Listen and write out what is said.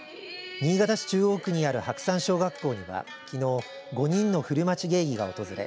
新潟市中央区にある白山小学校には、きのう５人の古町芸妓が訪れ